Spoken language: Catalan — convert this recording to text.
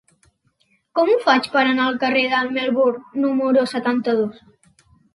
Com ho faig per anar al carrer de Melbourne número setanta-dos?